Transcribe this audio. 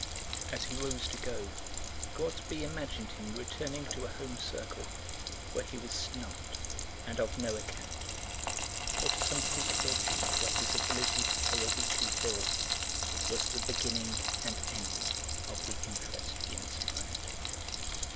As he rose to go Gortsby imagined him returning to a home circle where he was snubbed and of no account, or to some bleak lodging where his ability to pay a weekly bill was the beginning and end of the interest he inspired.